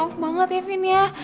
maaf banget ya vin ya